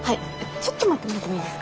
ちょっと待ってもらってもいいですか？